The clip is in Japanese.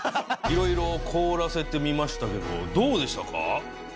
色々凍らせてみましたけどどうでしたか？